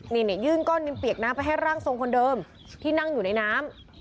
นี่ยื่นก้อนนิมเปียกน้ำไปให้ร่างทรงคนเดิมที่นั่งอยู่ในน้ำ